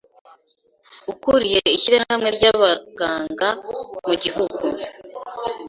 ukuriye ishyirahamwe ry'abaganga mu gihugu,